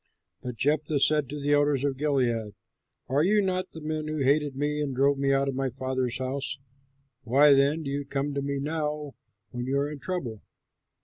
But Jephthah said to the elders of Gilead, "Are you not the men who hated me and drove me out of my father's house? Why then do you come to me now when you are in trouble?"